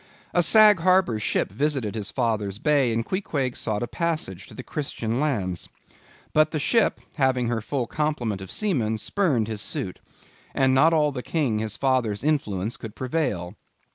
A Sag Harbor ship visited his father's bay, and Queequeg sought a passage to Christian lands. But the ship, having her full complement of seamen, spurned his suit; and not all the King his father's influence could prevail.